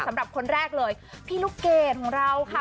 สำหรับคนแรกเลยพี่ลูกเกดของเราค่ะ